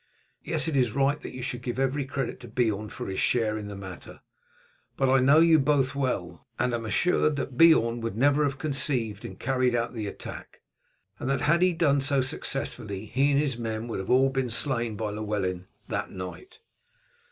"Yes, it is right that you should give every credit Beorn for his share in the matter; but I know you both well, and am assured that Beorn would never have conceived and carried out the attack, and that had he done so successfully, he and his men would all have been slain by Llewellyn that night.